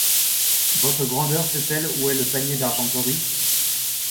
votre grandeur sait-elle où est le panier d’argenterie